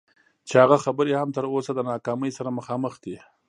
چې هغه خبرې هم تر اوسه د ناکامۍ سره مخامخ دي.